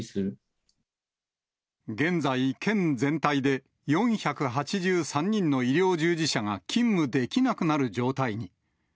現在、県全体で４８３人の医療従事者が勤務できなくなる状態に。